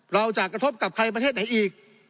เราจะกระทบกับใครประเทศไหนอีก